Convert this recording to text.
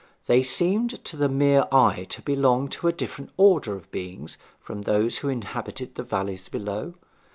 They seemed to the mere eye to belong to a different order of beings from those who inhabited the valleys below.